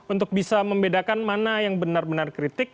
untuk bisa membedakan mana yang benar benar kritik